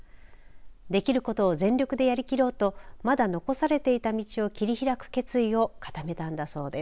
できることを全力でやりきろうとまだ残されていた道を切り開く決意を固めたんだそうです。